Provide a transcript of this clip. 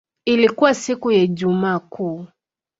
Ilikuwa siku ya Ijumaa Kuu.